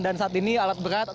dan saat ini alat berat